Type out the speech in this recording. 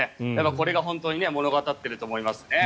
これが本当に物語ってると思いますね。